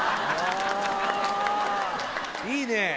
いいね！